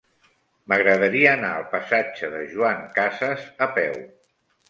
M'agradaria anar al passatge de Joan Casas a peu.